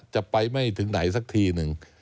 จะไปไม่ถึงไหนสักทีหนึ่ง